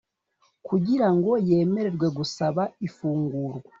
kugira ngo yemererwe gusaba ifungurwa